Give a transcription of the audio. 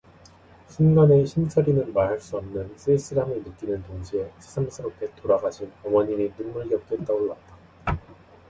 순간에 신철이는 말할 수 없는 쓸쓸함을 느끼는 동시에 새삼스럽게 돌아가신 어머님이 눈물겹게 떠올랐다.